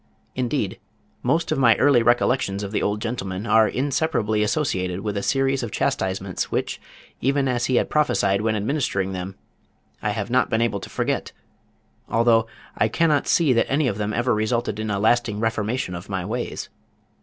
Indeed most of my early recollections of the old gentleman are inseparably associated with a series of chastisements which, even as he had prophesied when administering them, I have not been able to forget, although I cannot see that any of them ever resulted in a lasting reformation of my ways.